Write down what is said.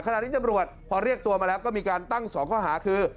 ขณะนี้จำรวจพอเรียกตัวมาแล้วก็มีการตั้ง๒ข้อหาคือ